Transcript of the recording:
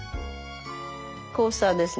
コースターですね。